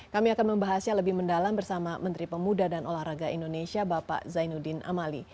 kami akan membahasnya lebih mendalam bersama menteri pemuda dan olahraga indonesia bapak zainuddin amali